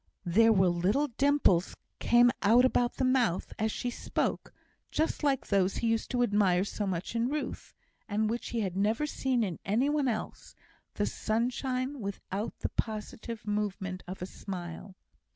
There were little dimples came out about the mouth as she spoke, just like those he used to admire so much in Ruth, and which he had never seen in any one else the sunshine without the positive movement of a smile.